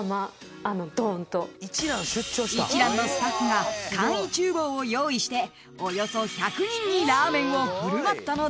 ［一蘭のスタッフが簡易厨房を用意しておよそ１００人にラーメンを振る舞ったのだとか］